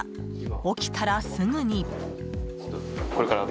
起きたらすぐに。